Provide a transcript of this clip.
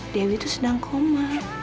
dewi itu sedang koma